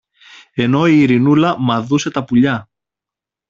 ενώ η Ειρηνούλα μαδούσε τα πουλιά.